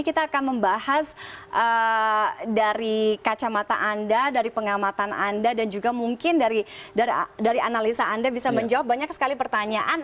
kita akan membahas dari kacamata anda dari pengamatan anda dan juga mungkin dari analisa anda bisa menjawab banyak sekali pertanyaan